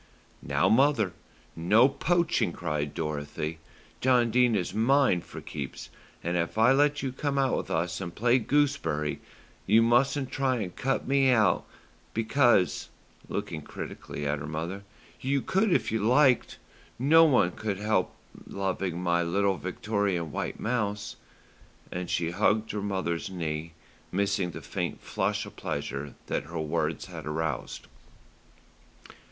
"Now, mother, no poaching," cried Dorothy. "John Dene is mine for keeps, and if I let you come out with us and play gooseberry, you mustn't try and cut me out, because," looking critically at her mother, "you could if you liked. Nobody could help loving my little Victorian white mouse;" and she hugged her mother's knee, missing the faint flush of pleasure that her words had aroused.